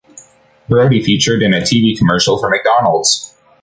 Brody featured in a TV commercial for "McDonalds".